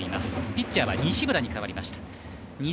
ピッチャーは西村に代わりました。